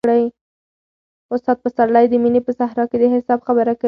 استاد پسرلی د مینې په صحرا کې د حساب خبره کوي.